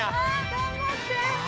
頑張って。